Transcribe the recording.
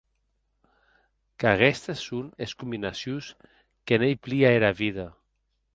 Qu’aguestes son es combinacions que n’ei plia era vida.